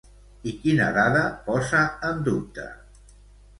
I quina dada posa en dubte?